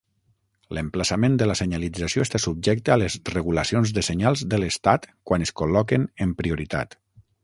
L'emplaçament de la senyalització està subjecte a les regulacions de senyals de l'estat quan es col·loquen en prioritat.